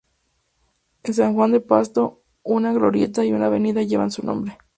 En San Juan de Pasto, una glorieta y una avenida llevan su nombre.